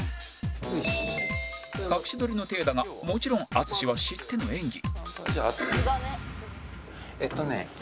隠し撮りのていだがもちろん淳は知っての演技